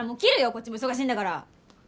こっちも忙しいんだから。